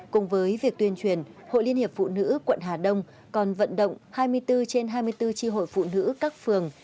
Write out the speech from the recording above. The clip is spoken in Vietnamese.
cùng với việc tuyên truyền hội liên hiệp phụ nữ quận hà đông còn vận động hai mươi bốn trên hai mươi bốn tri hội phụ nữ các phường